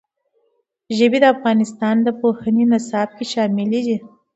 ژبې د افغانستان د پوهنې نصاب کې شامل دي.